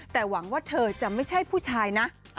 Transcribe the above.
แต่หวังว่าเธอจะไม่ใช่ผู้ชายนะ